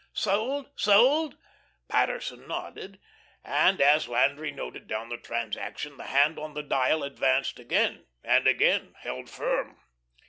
"Sold, sold." Paterson nodded, and as Landry noted down the transaction the hand on the dial advanced again, and again held firm.